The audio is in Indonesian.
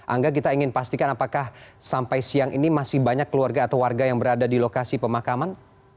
angga kita ingin pastikan apakah sampai siang ini masih banyak keluarga atau warga yang berada di lokasi pemakaman